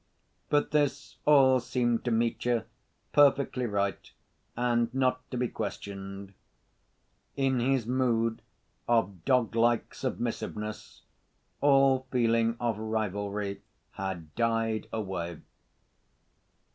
But this all seemed to Mitya perfectly right and not to be questioned. In his mood of doglike submissiveness all feeling of rivalry had died away.